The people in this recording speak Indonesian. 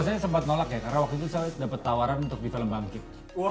saya sempat nolak ya karena waktu itu saya dapat tawaran untuk di film bangkit